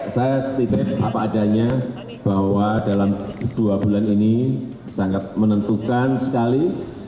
saya titip apa adanya bahwa dalam dua bulan ini sangat menentukan sekali